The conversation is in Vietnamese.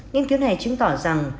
nghiên cứu này chứng tỏ rằng